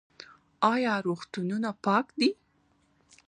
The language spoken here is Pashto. آیا روغتونونه پاک دي؟